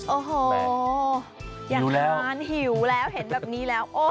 โอ้โหอยากนอนหิวแล้วเห็นแบบนี้แล้ว